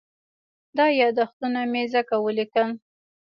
دا یادښتونه مې ځکه ولیکل.